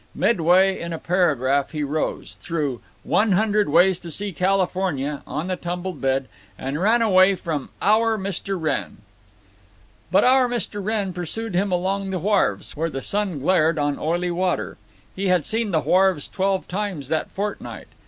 Midway in a paragraph he rose, threw One Hundred Ways to See California on the tumbled bed, and ran away from Our Mr. Wrenn. But Our Mr. Wrenn pursued him along the wharves, where the sun glared on oily water. He had seen the wharves twelve times that fortnight.